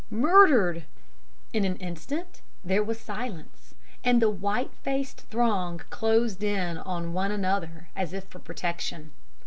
Murdered!' "In an instant there was silence, and the white faced throng closed in on one another as if for protection.